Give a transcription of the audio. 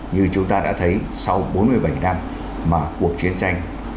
như chúng ta đã thấy sau bốn mươi bảy năm mà cuộc chiến tranh